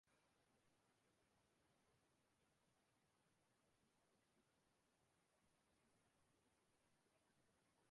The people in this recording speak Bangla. আদিল শাহ বন্দি হন এবং পরে তাঁকে হত্যা করা হয়।